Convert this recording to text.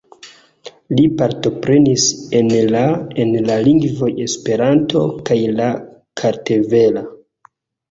Li partoprenis en la en la lingvoj Esperanto kaj la kartvela.